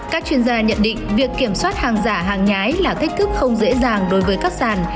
các chuyên gia nhận định việc kiểm soát hàng giả hàng nhái là thách thức không dễ dàng đối với các sản